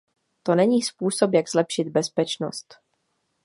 To není způsob, jak zlepšit bezpečnost.